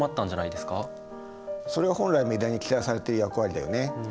それが本来メディアに期待されている役割だよね。